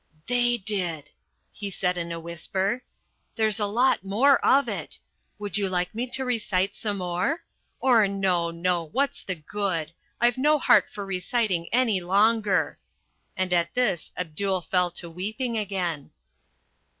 "They did," he said in a whisper. "There's a lot more of it. Would you like me to recite some more? Or, no, no, what's the good? I've no heart for reciting any longer." And at this Abdul fell to weeping again.